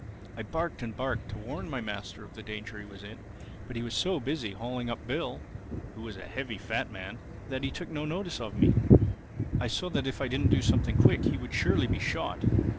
"I barked and barked to warn my master of the danger he was in; but he was so busy hauling up Bill (who was a heavy fat man) that he took no notice of me. I saw that if I didn't do something quick he would surely be shot.